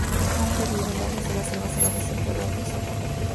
Aún perviven áreas de selva cerrada siempre verde, y zonas de monte abierto.